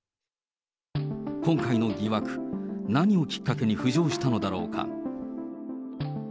今回の疑惑、何をきっかけに浮上したのだろうか。